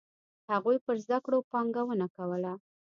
هغوی پر زده کړو پانګونه کوله.